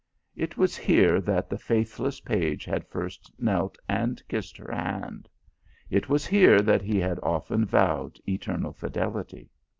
It was here that the faithless page had first knelt and kissed her hand, it was here that he had often vowed eternal fidelity.